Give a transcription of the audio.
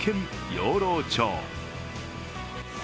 養老町。